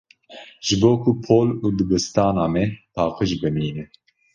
Ji bo ku pol û dibistana me paqij bimîne.